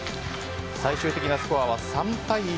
最終的なスコアは３対１。